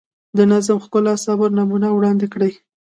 د نظم، ښکلا، صبر نمونه وړاندې کړي.